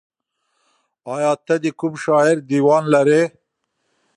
ایا ته د کوم شاعر دیوان لرې؟